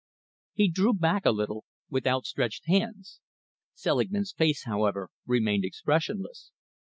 He drew back a little, with outstretched hands. Selingman's face, however, remained expressionless.